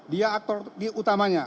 dia aktor utamanya